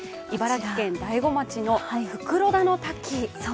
茨城県大子町の袋田の滝。